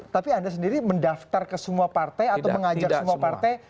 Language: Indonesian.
tapi anda sendiri mendaftar ke semua partai atau mengajak semua partai